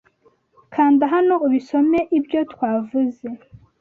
kanda hano ubisome ibyo twavuze